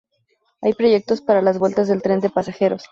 Hay proyectos para la vueltas del tren de pasajeros.